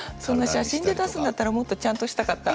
写真で出すんだったらもうちょっとちゃんとしたかった。